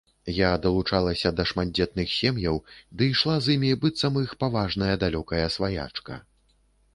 Я далучалася да шматдзетных сем'яў ды ішла за імі, быццам іх паважная далёкая сваячка.